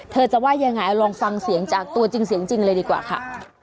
จะว่ายังไงลองฟังเสียงจากตัวจริงเสียงจริงเลยดีกว่าค่ะ